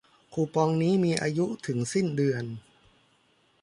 คูปองนี้มีอายุถึงสิ้นเดือน